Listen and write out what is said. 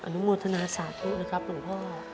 นุโมทนาสาธุนะครับหลวงพ่อ